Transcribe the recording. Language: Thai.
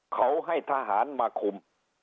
เขาให้ทหารมาคุม